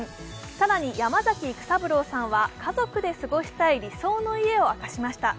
更に、山崎育三郎さんは家族で過ごしたい理想の家を明かしました。